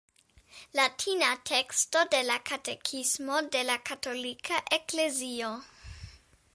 Latina teksto de la katekismo de la katolika eklezio.